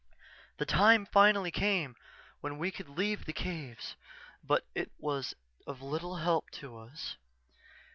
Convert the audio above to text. _ "_The time finally came when we could leave the caves but it was of little help to us.